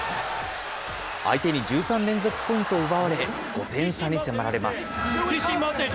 相手に１３連続ポイントを奪われ、５点差に迫られます。